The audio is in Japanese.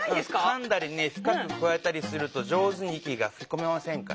かんだりふかくくわえたりすると上手に息がふきこめませんからね。